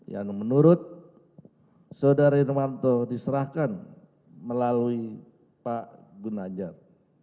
yang menurut saudara irvanto diserahkan melalui pak gunajar